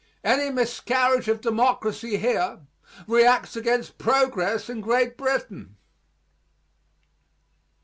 Any miscarriage of democracy here reacts against progress in Great Britain.